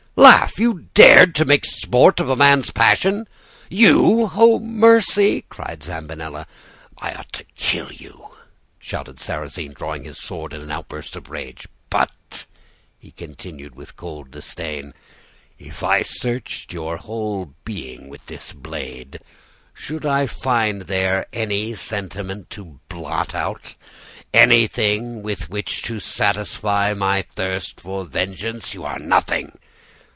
laugh! You dared to make sport of a man's passion you?' "'Oh, mercy!' cried Zambinella. "'I ought to kill you!' shouted Sarrasine, drawing his sword in an outburst of rage. 'But,' he continued, with cold disdain, 'if I searched your whole being with this blade, should I find there any sentiment to blot out, anything with which to satisfy my thirst for vengeance? You are nothing!